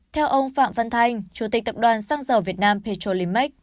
theo ông phạm văn thanh chủ tịch tập đoàn xăng dầu việt nam petrolimax